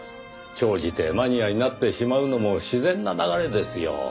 長じてマニアになってしまうのも自然な流れですよ。